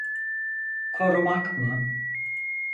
Korumak mı?